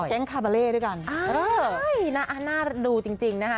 แก๊งคาร์เบอร์เลย์ด้วยกันอ่าใช่น่าน่าน่าดูจริงจริงนะฮะ